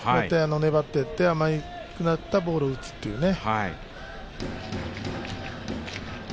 粘っていって、甘くなったボールを打つというね。